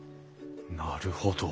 なるほど。